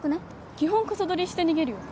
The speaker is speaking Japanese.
基本コソ撮りして逃げるよね。